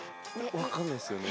分かんないですよね。